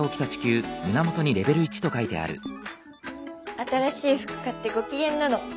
新しい服買ってごきげんなの。